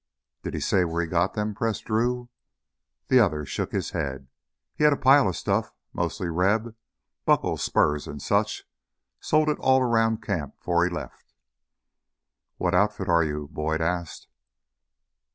"Did he say where he got them?" pressed Drew. The other shook his head. "He had a pile of stuff mostly Reb buckles, spurs, and such. Sold it all around camp 'fore he left." "What outfit are you?" Boyd asked.